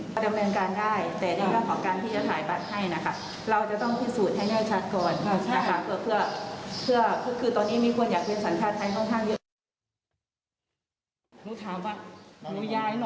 นูอาจถามกับเร็วนูย้ายน้อง